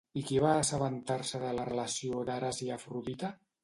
I qui va assabentar-se de la relació d'Ares i Afrodita?